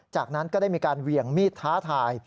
จากนั้นก็ได้มีการเหวี่ยงมีดท้าทาย